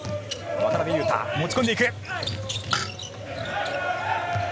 渡邊雄太が持ち込んでいく。